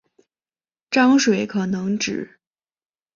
章水可能指